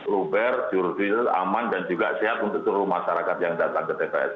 luber jurutil aman dan juga sehat untuk seluruh masyarakat yang datang ke pkpu